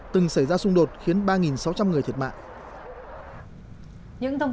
từng xảy ra xung đột khiến ba sáu trăm linh người thiệt mạng